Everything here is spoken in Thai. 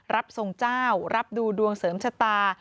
รับทรงเจ้ารับดูดวงเสริมชะตา